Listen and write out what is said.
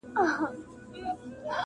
د نړۍ رنګونه هره ورځ بدلیږي -